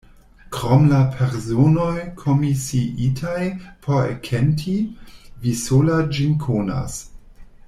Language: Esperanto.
Krom la personoj, komisiitaj por enketi, vi sola ĝin konas.